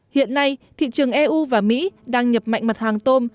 hiện nay thị trường eu và mỹ đang nhập mạnh mặt hàng tôm